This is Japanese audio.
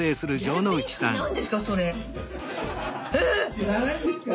「知らないんですか？」。